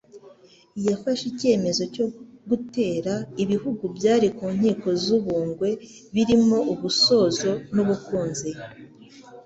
yafashe icyemezo cyo gutera ibihugu byari ku nkiko z'u Bungwe birimo u Busozo n'u Bukunzi ;